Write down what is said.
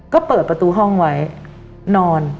ก็เปิดประตูห้องไว้นอน